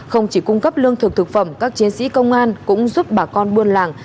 không chỉ cung cấp lương thực thực phẩm các chiến sĩ công an cũng giúp bà con buôn làng